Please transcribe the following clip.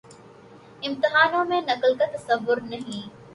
امتحانوں میں نقل کا تصور نہیں۔